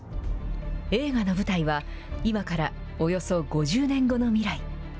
映画の舞台は今からおよそ５０年後の未来。